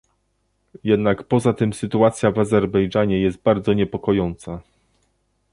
Jednak poza tym sytuacja w Azerbejdżanie jest bardzo niepokojąca